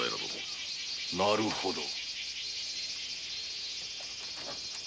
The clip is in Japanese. なるほど。